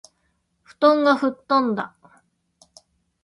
布団がふっとんだ